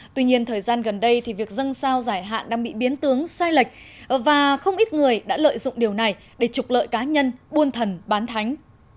tuy nhiên thời gian gần đây thì việc dân sao giải hạn đang bị biến tướng sai lệch và không ít người đã lợi dụng điều này để trục lợi cá nhân buôn thần bán thánh